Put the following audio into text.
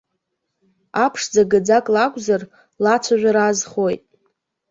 Аԥшӡа гаӡак лакәзар, лацәажәара азхоит.